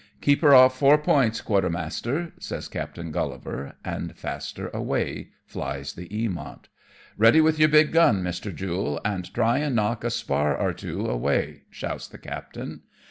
"Keep her off four points, quartermaster," says Captain GuUivar, and faster away flies the Eamont. " Eeady with your big gun, Mr. Jule, and try and knock a spar or two away," shouts the captain.